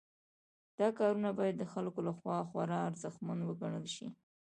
دا کارونه باید د خلکو لخوا خورا ارزښتمن وګڼل شي.